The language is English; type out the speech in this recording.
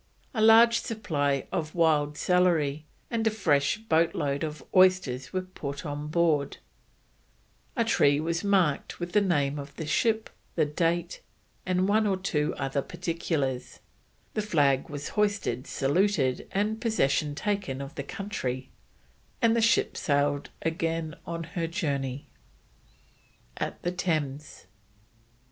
A large supply of wild celery and a fresh boat load of oysters were put on board; a tree was marked with the name of the ship, the date, and one or two other particulars, the flag was hoisted, saluted, and possession taken of the country, and the ship sailed again on her journey. AT THE THAMES.